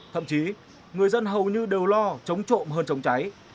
thậm chí người dân hầu như đều lo chống trộm hơn chống cháy